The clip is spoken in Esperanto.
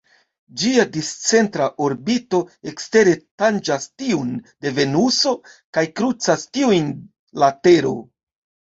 Ĝia discentra orbito ekstere tanĝas tiun de Venuso kaj krucas tiujn la Tero.